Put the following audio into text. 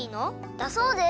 だそうです。